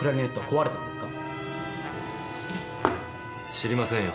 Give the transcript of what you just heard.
知りませんよ。